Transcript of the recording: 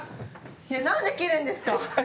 何で切るんですか？